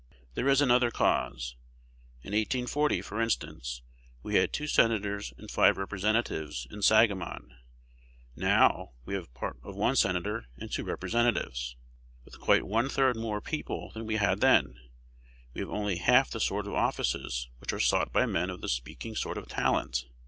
There is another cause: in 1840, for instance, we had two Senators and five Representatives in Sangamon; now, we have part of one Senator and two Representatives. With quite one third more people than we had then, we have only half the sort of offices which are sought by men of the speaking sort of talent.